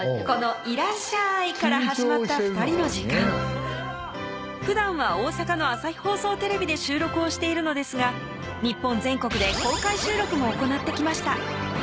この「いらっしゃい」から始まった２人の時間ふだんは大阪の朝日放送テレビで収録をしているのですが日本全国で公開収録も行ってきました